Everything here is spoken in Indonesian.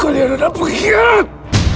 kalian adalah perkhianat